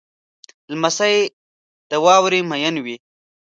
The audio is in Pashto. لمسی د واورې مین وي.